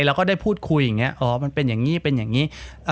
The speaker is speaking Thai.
เราก็ได้พูดคุยอย่างนี้อ๋อมันเป็นอย่างนี้เป็นอย่างนี้